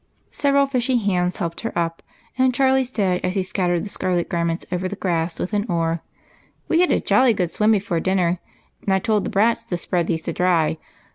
Several fishy hands helped her up, and Charlie said, as he scattered the scarlet garments over the grass with an oar, — "We had a jolly good swim before dinner, and I told the Brats to spread these to dry.